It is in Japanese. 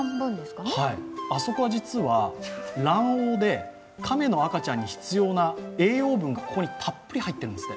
あそこは実は卵黄でカメの赤ちゃんに必要な栄養分がここにたっぷり入ってるんですって。